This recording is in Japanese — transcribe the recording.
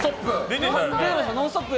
「ノンストップ！」